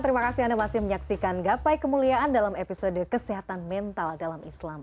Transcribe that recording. terima kasih anda masih menyaksikan gapai kemuliaan dalam episode kesehatan mental dalam islam